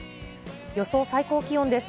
予想最高気温です。